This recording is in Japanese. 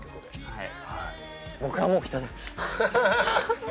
はい。